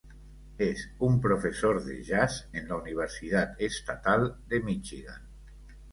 Es un profesor de jazz en la Universidad Estatal de Michigan.